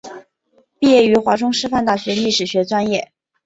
毕业于华中师范大学历史学专业。